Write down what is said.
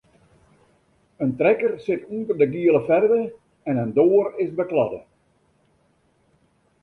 In trekker sit ûnder de giele ferve en in doar is bekladde.